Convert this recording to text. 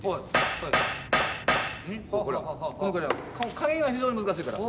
加減が非常に難しいから。